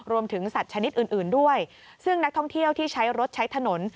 สัตว์ชนิดอื่นด้วยซึ่งนักท่องเที่ยวที่ใช้รถใช้ถนน